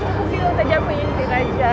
aku bilang tadi aku yang nyetir aja